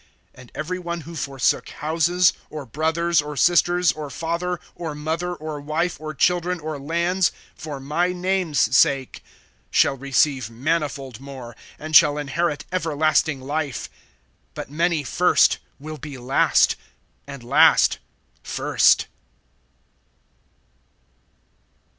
(29)And every one who forsook houses, or brothers, or sisters, or father, or mother, or wife, or children, or lands, for my name's sake, shall receive manifold more, and shall inherit everlasting life. (30)But many first will be last, and last first.